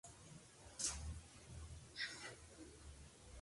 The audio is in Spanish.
Sin embargo, pueden distinguirse cinco familias de versiones.